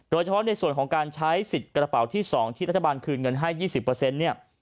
โดยเฉพาะในส่วนของการใช้สิทธิ์กระเป๋าที่๒ที่รัฐบาลคืนเงินให้๒๐เนี่ย